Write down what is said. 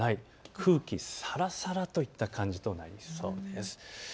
空気サラサラといった感じになりそうです。